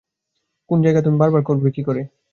কোন জায়গায় আছে তুমি বার করবে কি করে?